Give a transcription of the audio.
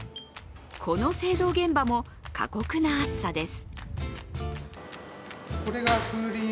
この製造現場も過酷な暑さです。